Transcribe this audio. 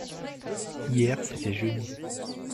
hier c'était jeudi.